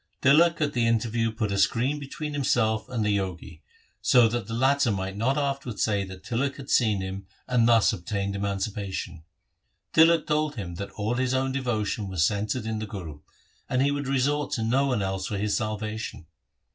Tilak at the interview put a screen between himself and the Jogi, so that the latter might not afterwards say that Tilak had seen him and thus obtained emancipation. Tilak told him that all his own devotion was centred in the Guru, and he would resort to no one else for his salvation.